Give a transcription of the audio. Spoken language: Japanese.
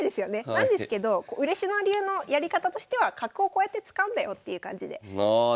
なんですけど嬉野流のやり方としては角をこうやって使うんだよっていう感じで覚えてきたら。